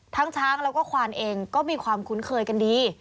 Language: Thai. ช้างแล้วก็ควานเองก็มีความคุ้นเคยกันดี